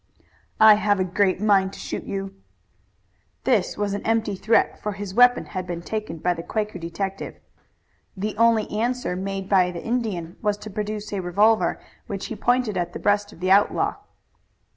"I have a great mind to shoot you." This was an empty threat, for his weapon had been taken by the Quaker detective. The only answer made by the Indian was to produce a revolver, which he pointed at the breast of the outlaw.